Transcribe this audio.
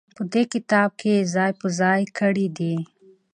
په دې کتاب کې يې ځاى په ځاى کړي دي.